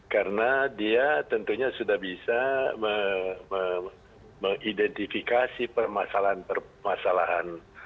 karena dia tentunya sudah bisa mengidentifikasi permasalahan permasalahan